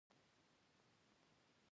پر سړک پلی سړی وینې.